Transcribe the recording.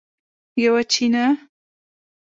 یوه چینه